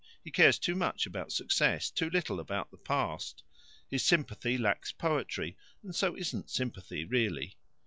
He cares too much about success, too little about the past. His sympathy lacks poetry, and so isn't sympathy really.